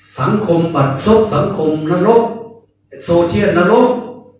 สังคมบัตรทรกษ์สังคมนรกโซเทียนนรก